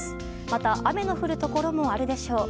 また、雨の降るところもあるでしょう。